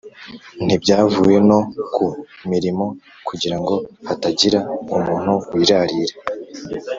ntibyavuye no ku mirimo kugira ngo hatagira umuntu wirarira